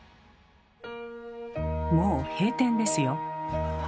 もう閉店ですよ。